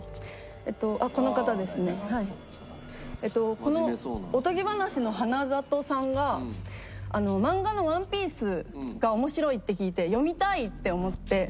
このおとぎばなしの花里さんが漫画の『ＯＮＥＰＩＥＣＥ』が面白いって聞いて読みたいって思って。